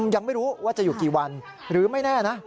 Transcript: ยังไม่รู้ว่าจะอยู่กี่วันหรือไม่แน่นะ